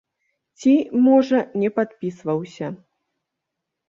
Ці, можа, не падпісваўся.